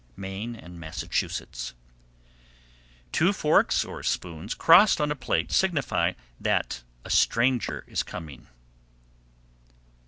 Maine and Massachusetts. 767. Two forks or spoons crossed on a plate signify that a stranger is coming.